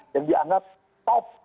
yang dianggap top